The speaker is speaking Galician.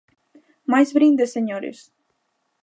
¿Máis brindes, señores?